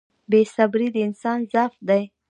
• بې صبري د انسان ضعف دی.